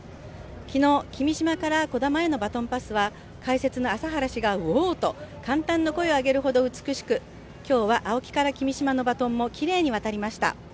昨日、君嶋から兒玉へのバトンパスは解説の朝原氏がうおーと感嘆の声を上げるほど美しく、今日は青木から君嶋のバトンもきれいに渡りました。